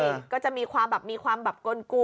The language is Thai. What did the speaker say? ใช่ก็จะมีความแบบกลวนมีความหยอก